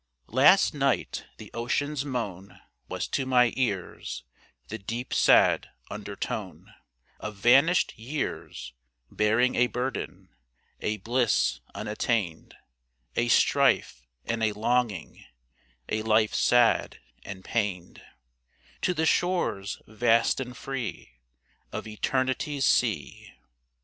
Last night the ocean's moan Was to my ears The deep sad undertone Of vanished years, Bearing a burden, A bliss unattained, A strife and a longing, A life sad and pained, To the shores vast and free Of eternity's sea.